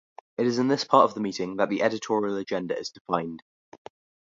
It is in this part of the meeting that the editorial agenda is defined.